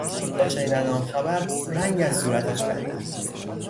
با شنیدن آن خبر، رنگ از صورتش پرید.